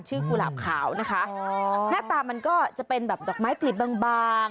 ชื่อกุหลาบขาวนะคะหน้าตามันก็จะเป็นดอกไม้กลิ่นบาง